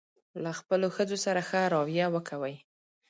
له خپلو ښځو سره ښه راویه وکوئ.